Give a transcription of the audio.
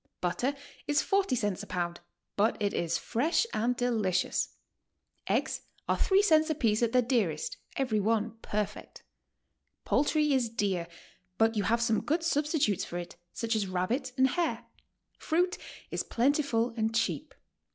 Butter is 40 cents a pound, but iit is fresh and delicious. Eggs are three cents apiece at their dearest, every one perfect. Poultry is dear, but you have some good substitutes for it, such as rabbit and hare. Fruit is plentiful and cheap.